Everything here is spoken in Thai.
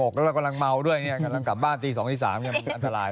กำลังกำลังกลับบ้านจีน๒๓อันตราย